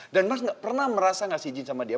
dan mas gak pernah merasa ngasih izin sama dia